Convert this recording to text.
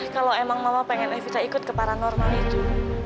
kalau emang mama pengen bisa ikut ke paranormal itu